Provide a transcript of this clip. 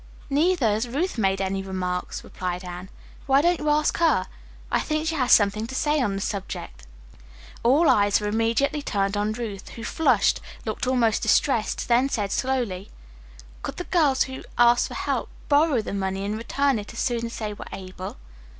"Neither has Ruth made any remarks," replied Anne. "Why don't you ask her? I think she has something to say on the subject." All eyes were immediately turned on Ruth, who flushed, looked almost distressed, then said slowly, "Could the girls who asked for help borrow the money and return it as soon as they were able?"